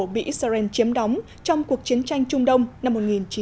bị israel chiếm đóng trong cuộc chiến tranh trung đông năm một nghìn chín trăm sáu mươi bảy